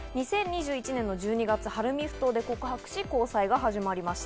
２０２１年の１２月、晴海ふ頭で告白し、交際がスタートしました。